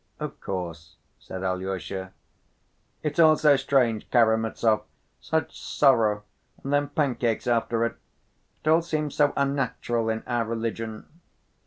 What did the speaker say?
"Of course," said Alyosha. "It's all so strange, Karamazov, such sorrow and then pancakes after it, it all seems so unnatural in our religion."